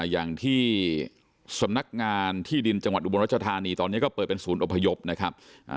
อย่างที่สำนักงานที่ดินจังหวัดอุบลรัชธานีตอนนี้ก็เปิดเป็นศูนย์อพยพนะครับ